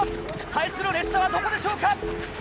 対する列車はどこでしょうか？